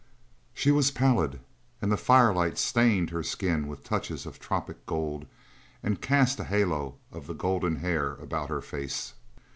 She was pallid, and the firelight stained her skin with touches of tropic gold, and cast a halo of the golden hair about her face.